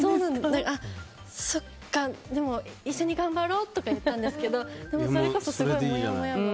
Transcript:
そっか、でも一緒に頑張ろうって言ったんですけどでもそれこそ、もやもや。